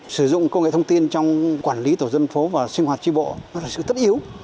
sử dụng công nghệ thông tin trong quản lý tổ dân phố và sinh hoạt tri bộ là sự tất yếu